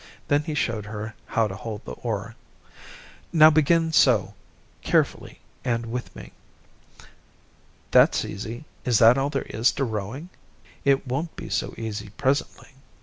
Then he showed her how to hold the oar. "Now begin so carefully and with me." "That's easy. Is that all there is to rowing?" "It won't be so easy presently."